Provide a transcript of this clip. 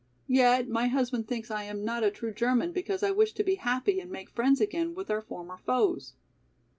Yet my husband thinks I am not a true German because I wish to be happy and make friends again with our former foes."